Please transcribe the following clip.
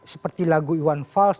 seperti lagu iwan vals